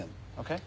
えっ？